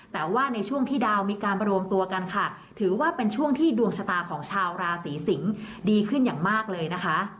แต่ว่าในช่วงที่ดาวมีการรวมตัวกันค่ะถือว่าเป็นช่วงที่ดวงชะตาของชาวราศีสิงศ์ดีขึ้นอย่างมากเลยนะคะ